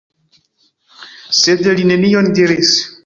Sed li nenion diris.